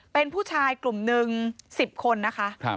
เป็นผู้ชายกลุ่มหนึ่ง๑๐คนนะคะ